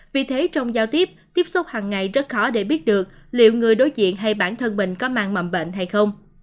vì thế trong giao tiếp tiếp xúc hằng ngày rất khó để biết được liệu người đối diện hay bản thân mình có mang mầm bệnh hay không